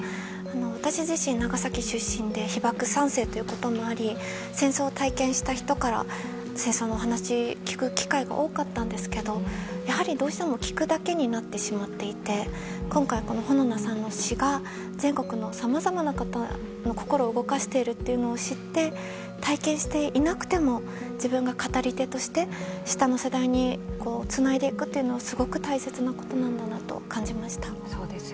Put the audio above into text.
私自身、長崎出身で被爆３世ということもあり戦争を体験した人から戦争のお話を聞く機会が多かったんですけどやはり、どうしても聞くだけになってしまっていて今回、穂菜さんの詩が全国のさまざまな方の心を動かしているというのを知って体験していなくても自分が語り手として下の世代につないでいくというのはすごく大切なことなんだなと感じました。